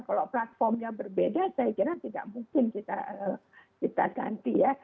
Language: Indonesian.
kalau platformnya berbeda saya kira tidak mungkin kita ganti ya